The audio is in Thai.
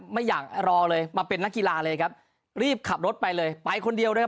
ไม่อยากรอเลยมาเป็นนักกีฬาเลยครับรีบขับรถไปเลยไปคนเดียวด้วยครับ